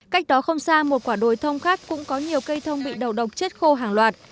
cách đó không xa một quả đồi thông khác cũng có nhiều cây thông bị đầu độc chết khô hàng loạt